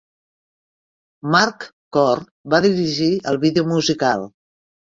Mark Kohr va dirigir el vídeo musical.